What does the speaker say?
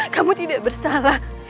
kamu tidak bersalah